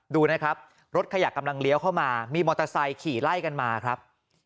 ดูนะครับรถขยะกำลังเลี้ยวเข้ามามีมอเตอร์ไซค์ขี่ไล่กันมาครับ